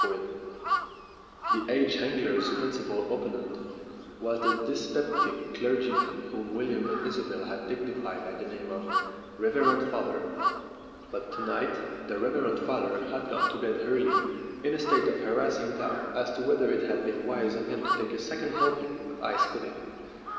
268 STORIES WITHOUT TEARS The aged angler's principal opponent was the dyspeptic clergyman whom William and Isobel had dignified by the name of the Reverend Father. But to night the Reverend Father had gone to bed early in a state of harassing doubt as to whether it had been wise of him to take a second helping of ice pud ding.